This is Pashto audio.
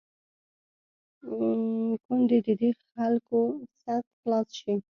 کوندي د دې خلکو سد خلاص شي.